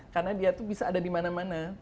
karena dia tuh bisa ada di mana mana